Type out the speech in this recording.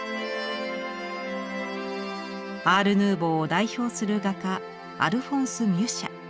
アールヌーボーを代表する画家アルフォンス・ミュシャ。